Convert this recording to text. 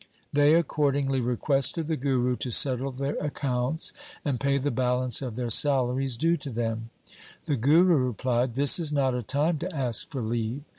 They accordingly requested the Guru to settle their accounts and pay the balance of their salaries due to them. The Guru replied, ' This is not a time to ask for leave.